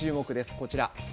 こちら。